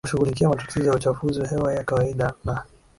kushughulikia matatizo ya uchafuzi wa hewa ya kawaida na